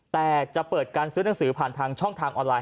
แต่จะเปิดการซื้อหนังสือผ่านทางช่องทางออนไลน